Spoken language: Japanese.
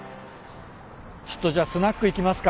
ちょっとじゃあスナック行きますか。